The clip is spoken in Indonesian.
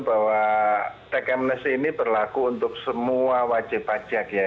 bahwa tekanan ini berlaku untuk semua wajib pajak ya